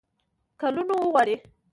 کلونو وغواړي.